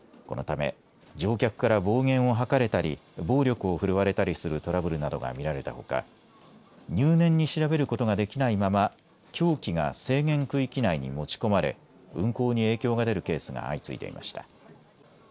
このため乗客から暴言を吐かれたり暴力を振るわれたりするトラブルなどが見られたほか入念に調べることができないまま凶器が制限区域内に持ち込まれ運航に影響が出るケースが相次いでいました。